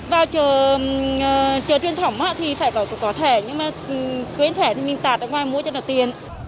vào chợ truyền thống thì phải có có thể nhưng mà quên thể thì mình tạt ở ngoài mua cho là tiền